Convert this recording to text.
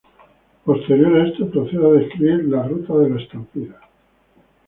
Posterior a esto, procede a describir "La Ruta de La Estampida".